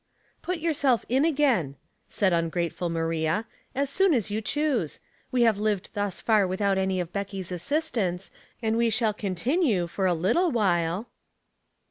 '* Put yourself in again,'' said ungrateful Ma ria, "as soon as you choose. We have lived thus far without any of Becky's assistance, and we shall continue, for a little while."